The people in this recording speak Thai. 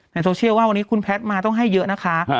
โซเชียลว่าวันนี้คุณแพทย์มาต้องให้เยอะนะคะ